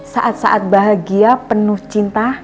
saat saat bahagia penuh cinta